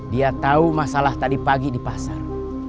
dia tahu masalah tadi pagi di pasar